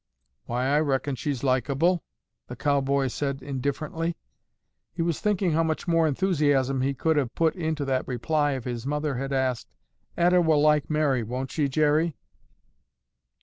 "Why, I reckon she's likeable," the cowboy said indifferently. He was thinking how much more enthusiasm he could have put into that reply if his mother had asked, "Etta will like Mary, won't she, Jerry?"